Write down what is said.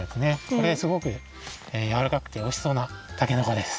これすごくやわらかくておいしそうなたけのこです。